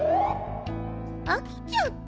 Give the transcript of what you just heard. あきちゃった。